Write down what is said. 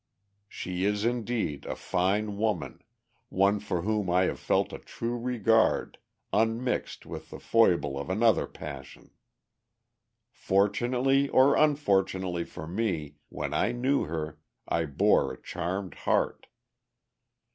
She is indeed a fine woman, one for whom I have felt a true regard, unmixed with the foible of another passion. "Fortunately or unfortunately for me, when I knew her, I bore a charmed heart.